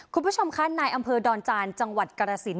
คุณผู้ชมคะนายอำเภอดอนจานจังหวัดกรสิน